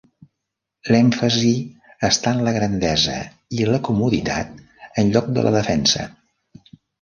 L'èmfasi està en la grandesa i la comoditat en lloc de la defensa.